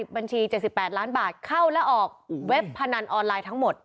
บัญชี๗๘ล้านบาทเข้าและออกเว็บพนันออนไลน์ทั้งหมด